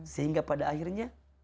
sehingga pada akhirnya